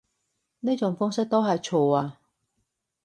呢種方式都係錯啊